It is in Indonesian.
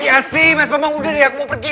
biar sih mas bambang udah deh aku mau pergi